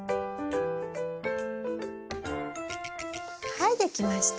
はいできました。